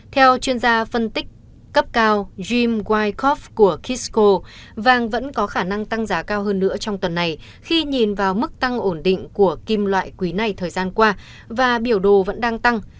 theo chuyên gia phân tích cấp cao gym whidecope của kisco vàng vẫn có khả năng tăng giá cao hơn nữa trong tuần này khi nhìn vào mức tăng ổn định của kim loại quý này thời gian qua và biểu đồ vẫn đang tăng